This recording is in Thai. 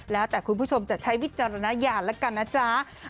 แล้วแต่คุณผู้ชมจะใช้วิจารณญาณแล้วกันนะจ๊ะ